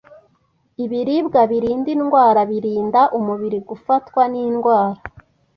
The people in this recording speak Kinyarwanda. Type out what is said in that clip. Ibiribwa birinda indwara birinda umubiri gufatwa n’indwara.